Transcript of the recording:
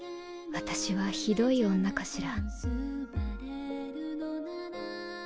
私はひどい女かしら？